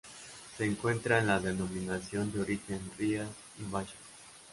Se encuentra en la Denominación de Origen Rías Baixas.